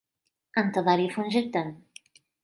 انت ظريف جدا.